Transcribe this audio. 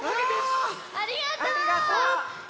ありがとう！